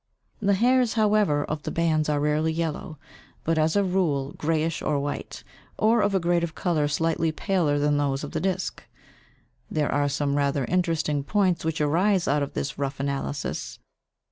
The hairs, however, of the bands are rarely yellow, but as a rule greyish or white, or of a grade of colour slightly paler than those of the disc. There are some rather interesting points which arise out of this rough analysis.